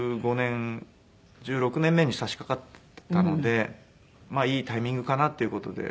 １５年１６年目に差し掛かっていたのでいいタイミングかなっていう事で。